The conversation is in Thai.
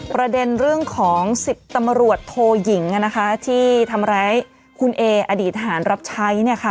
ประเด็นเรื่องของ๑๐ตำรวจโทยิงที่ทำร้ายคุณเออดีตทหารรับใช้